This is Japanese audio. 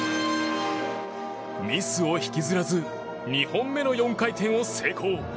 ミスを引きずらず２本目の４回転を成功。